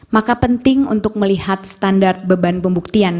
maka penting untuk melihat standar beban pembuktian